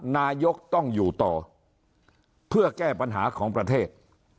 นายกต้องอยู่ต่อเพื่อแก้ปัญหาของประเทศ